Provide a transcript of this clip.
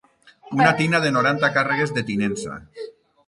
Una tina de noranta càrregues de tinença.